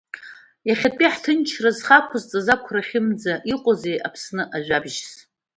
Иахьатәи ҳҭынчра зхы ақәызҵаз ақәрахьымӡа иҟоузеи Аԥсны ажәабжьс?